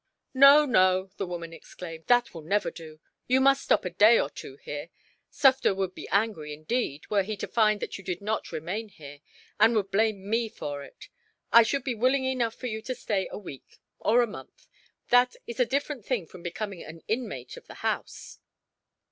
"No, no," the woman exclaimed; "that will never do. You must stop a day or two here. Sufder would be angry, indeed, were he to find that you did not remain here; and would blame me for it. I should be willing enough for you to stay a week, or a month; that is a different thing from becoming an inmate of the house."